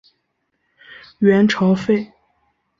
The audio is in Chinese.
元朝废。